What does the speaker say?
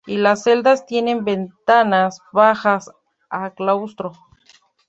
Y las celdas tienen ventanas bajas a claustro.